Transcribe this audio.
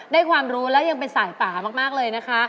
ความรู้แล้วยังเป็นสายป่ามากเลยนะคะ